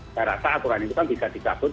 saya rasa aturan itu kan bisa dicabut